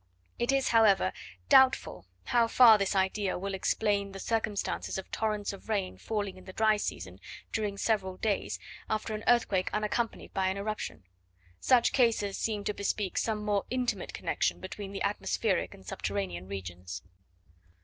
It is, however, doubtful how far this idea will explain the circumstances of torrents of rain falling in the dry season during several days, after an earthquake unaccompanied by an eruption; such cases seem to bespeak some more intimate connection between the atmospheric and subterranean regions.